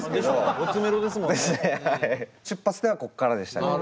出発点はここからでしたね。